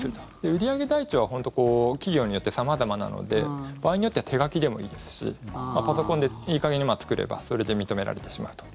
売上台帳は本当に企業によって様々なので場合によっては手書きでもいいですしパソコンでいい加減に作ればそれで認められてしまうと。